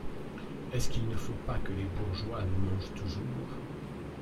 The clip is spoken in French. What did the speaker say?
Est-ce qu’il ne faut pas que les bourgeois nous mangent toujours !